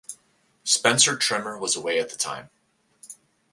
Spencer Trimmer was away at the time.